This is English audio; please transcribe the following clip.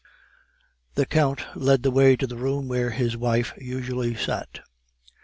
The Count led the way to the room where his wife usually sat.